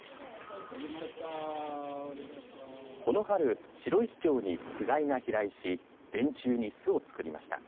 この春、白石町につがいが飛来し電柱に巣をつくりました。